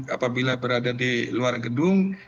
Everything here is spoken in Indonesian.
apabila berada di luar gedung